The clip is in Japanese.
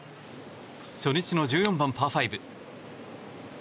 初日の１４番、パー５。